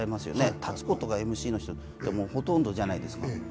立つことがＭＣの方ってほとんどじゃないですか。